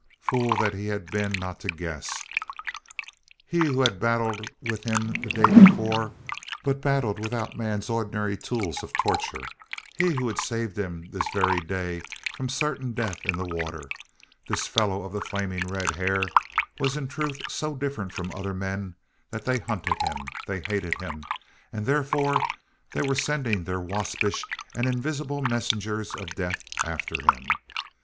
Fool that he had been not to guess. He who had battled with him the day before, but battled without man's ordinary tools of torture; he who had saved him this very day from certain death in the water; this fellow of the flaming red hair, was in truth so different from other men, that they hunted him, they hated him, and therefore they were sending their waspish and invisible messengers of death after him.